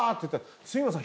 杉野さん